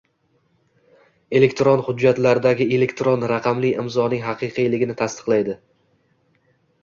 elektron hujjatlardagi elektron raqamli imzoning haqiqiyligini tasdiqlaydi;